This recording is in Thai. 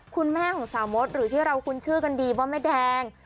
คุณแม่ของสาวมดหรือที่เราคุ้นชื่อกันดีว่าแม่แดง